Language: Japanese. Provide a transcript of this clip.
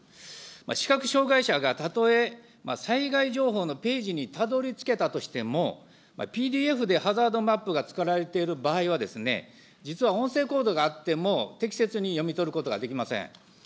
視覚障害者が例え災害情報のページにたどりつけたとしても、ＰＤＦでハザードマップが作られている場合は、実は音声コードがあっても、適切に読み取ることができません。